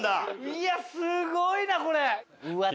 いやすごいなこれ。